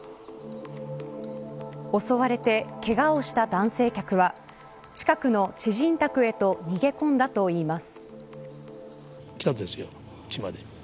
襲われて、けがをした男性客は近くの知人宅へと逃げ込んだといいます。